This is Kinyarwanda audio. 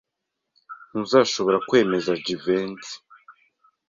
Ntuzashobora kwemeza Jivency.